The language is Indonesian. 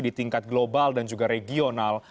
di tingkat global dan juga regional